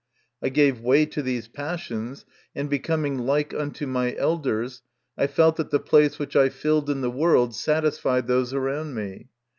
I gave way to these passions, and becoming like unto my elders, I felt that the place which I filled in the world satisfied those around me.